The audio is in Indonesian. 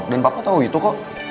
dan papa tahu itu kok